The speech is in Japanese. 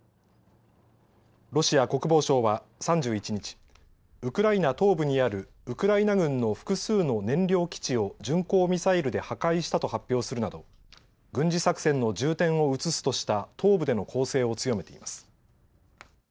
ロシア国防省は３１日、ウクライナ東部にあるウクライナ軍の複数の燃料基地を巡航ミサイルで破壊したと発表するなど軍事作戦の重点を移すとした東部での攻勢を強めています。